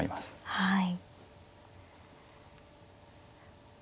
はい。